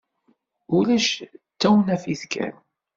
Ulac, d tawnafit kan.